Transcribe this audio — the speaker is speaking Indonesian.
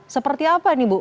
seperti apa nih bu